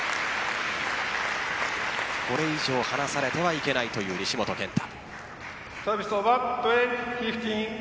これ以上離されてはいけないという西本拳太。